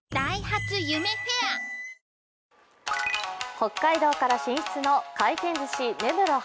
北海道から進出の回転寿司根室花